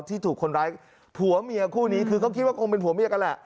ที่ถูกคนร้ายผัวเมียคู่นี้คือเขาคิดว่าคงเป็นผัวเมียกันแหละ